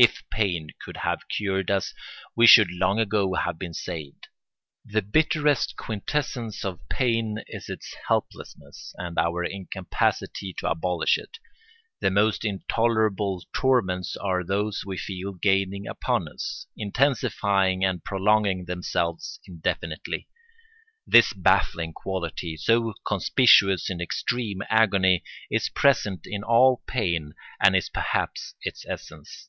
If pain could have cured us we should long ago have been saved. The bitterest quintessence of pain is its helplessness, and our incapacity to abolish it. The most intolerable torments are those we feel gaining upon us, intensifying and prolonging themselves indefinitely. This baffling quality, so conspicuous in extreme agony, is present in all pain and is perhaps its essence.